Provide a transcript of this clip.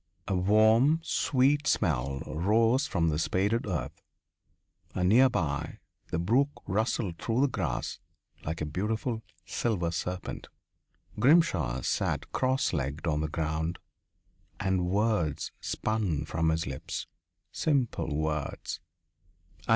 A warm, sweet smell rose from the spaded earth and near by the brook rustled through the grass like a beautiful silver serpent. Grimshaw sat cross legged on the ground and words spun from his lips simple words.